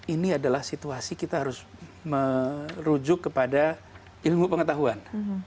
ini adalah situasi kita harus merujuk kepada ilmu pengetahuan